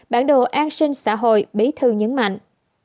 bản đồ an sinh xã hội bí thư nhấn mạnh